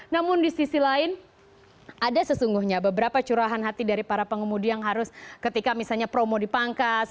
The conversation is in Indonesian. namun di sisi lain ada sesungguhnya beberapa curahan hati dari para pengemudi yang harus ketika misalnya promo dipangkas